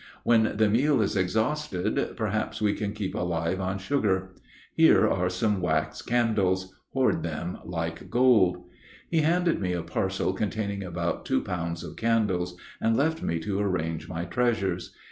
When the meal is exhausted, perhaps we can keep alive on sugar. Here are some wax candles; hoard them like gold." He handed me a parcel containing about two pounds of candles, and left me to arrange my treasures.